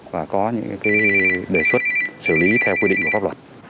và có những đề xuất xử lý theo quy định của pháp luật